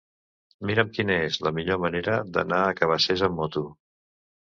Mira'm quina és la millor manera d'anar a Cabacés amb moto.